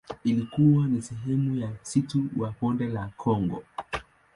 Ilikuwa ni sehemu ya msitu wa Bonde la Kongo.